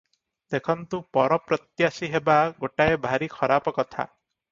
ଦେଖନ୍ତୁ ପରପ୍ରତ୍ୟାଶୀ ହେବା ଗୋଟାଏ ଭାରି ଖରାପ କଥା ।